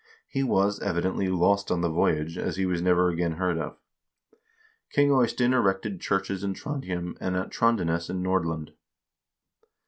He was, evidently, lost on the voyage, as he was never again heard of. King Eystein erected churches in Trondhjem, and at Trondenes in Nordland.